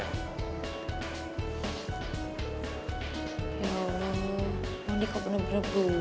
ya allah mandi kok bener bener berubah